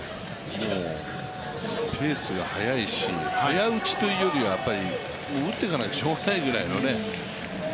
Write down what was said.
もう、ペースが早いし早打ちというよりは打っていかなきゃしようがないみたいなね。